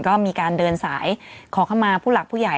ก็มีการเดินสายขอเข้ามาผู้หลักผู้ใหญ่